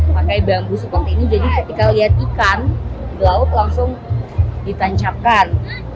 pakai bambu seperti ini jadi ketika lihat ikan di laut langsung ditancapkan